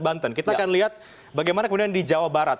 banten kita akan lihat bagaimana kemudian di jawa barat